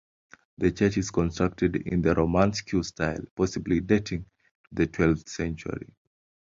The church is constructed in the Romanesque style, possibly dating to the twelfth century.